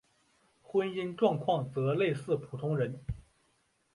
婚姻状况则类似普通人。